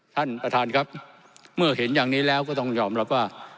ท่านประธานครับเมื่อเห็นอย่างนี้แล้วก็ต้องยอมรับว่า